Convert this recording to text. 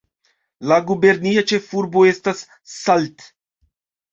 La gubernia ĉefurbo estas Salt.